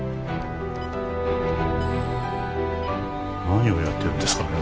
何をやってるんですかね？